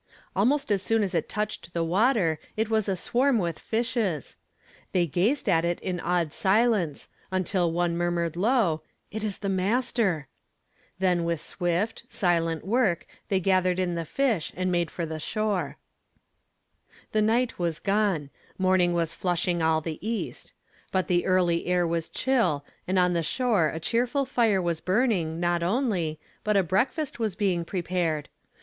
Almost as soon as it touched the water it was aswarm with fishes! They gazed at it in awed silence, until one mur mured low :" It is the ^Master !" Then with swift, i I " I WILL WORK, AND WHO SHALL LET IT ?" 337 Silent work they gathered in the lish, and made for the shore. The night was gone; morning was flushing all the east ; but the early air was chill, and on the shore a cheerful fire was burning, not only, but a breakfast was being prepared.